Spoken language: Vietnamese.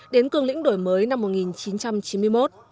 đến cương lĩnh đổi mới năm một nghìn chín trăm chín mươi một